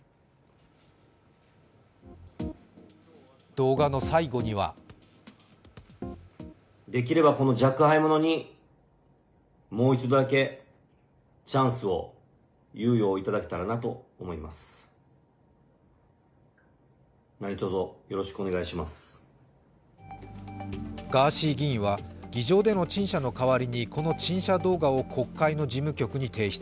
動画の最後にはガーシー議員は議場での陳謝の代わりにこの陳謝動画を国会の事務局に提出。